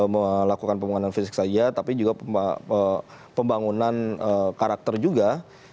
melakukan pembangunan fisik saja tapi juga pembangunan karakter juga